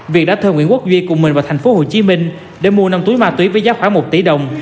việc đã thơ nguyễn quốc duy cùng mình vào thành phố hồ chí minh để mua năm túi ma túy với giá khoảng một tỷ đồng